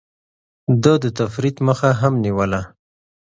ده د تفريط مخه هم نيوله.